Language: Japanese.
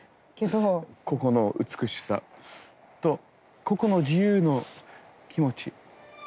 ここの美しさとここの自由の気持ち。